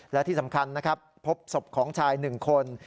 และที่สำคัญนะครับพบศพของชาย๑คน